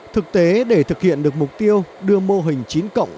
thực tế để thực hiện được mục tiêu đưa mô hình chín cộng